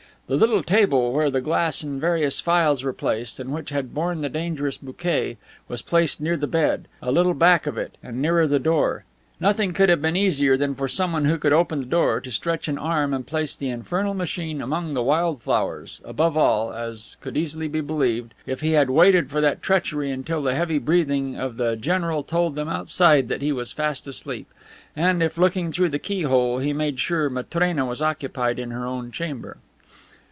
The little table where the glass and various phials were placed and which had borne the dangerous bouquet, was placed near the bed, a little back of it, and nearer the door. Nothing would have been easier than for someone who could open the door to stretch an arm and place the infernal machine among the wild flowers, above all, as could easily be believed, if he had waited for that treachery until the heavy breathing of the general told them outside that he was fast asleep, and if, looking through the key hole, he had made sure Matrena was occupied in her own chamber.